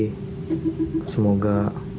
dan satu lagi